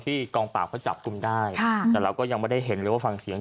กองปราบเขาจับกลุ่มได้ค่ะแต่เราก็ยังไม่ได้เห็นหรือว่าฟังเสียง